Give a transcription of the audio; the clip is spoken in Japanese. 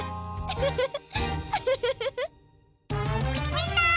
みんな！